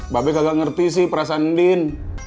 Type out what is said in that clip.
babe kagak ngerti sih perasaan din